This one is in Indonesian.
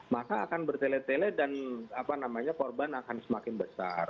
maka akan bertele tele dan korban akan semakin besar